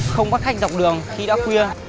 không bắt khách dọc đường khi đã khuya